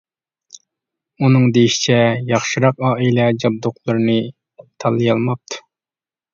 ئۇنىڭ دېيىشىچە، ياخشىراق ئائىلە جابدۇقلىرىنى تاللىيالماپتۇ.